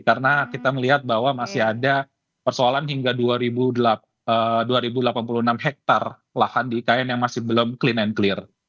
karena kita melihat bahwa masih ada persoalan hingga dua ribu delapan puluh enam hektar lahan di ikn yang masih belum clean and clear